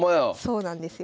そうなんですよ。